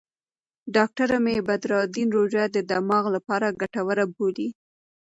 ډاکټره مي بدرالدین روژه د دماغ لپاره ګټوره بولي.